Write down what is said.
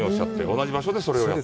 同じ場所でそれをやって。